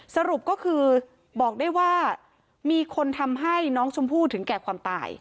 สรุปก็คือบอกได้ว่ามีคนทำให้น้องชมพู่ถึงแก่ความตาย